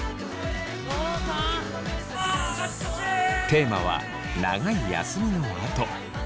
テーマは「長い休みのあと」。